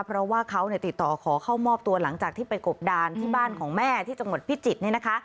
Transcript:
เพราะว่าเขาติดต่อขอเข้ามอบตัวหลังจากที่ไปกบดานที่บ้านของแม่ที่จังหวัดพิจิตรเนี่ยนะคะ